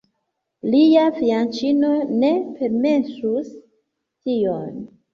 Lia fianĉino ne permesus tion.